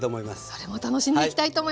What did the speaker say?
それも楽しんでいきたいと思います。